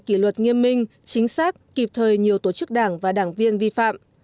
đặc biệt công tác kiểm tra giám sát kỷ luật nghiêm minh chính xác kịp thời nhiều tổ chức đảng và đảng viên vi phạm